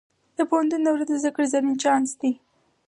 د پوهنتون دوره د زده کړې زرین چانس دی.